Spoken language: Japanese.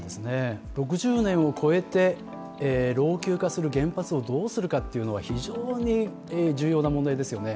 ６０年を超えて、老朽化する原発をどうするかというのは非常に重要な問題ですよね。